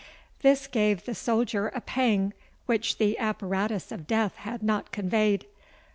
This gave the soldier a pang which the apparatus of death had not conveyed.